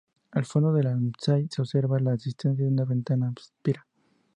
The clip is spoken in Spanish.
Al fondo del ábside se observa la existencia de una ventana aspillera.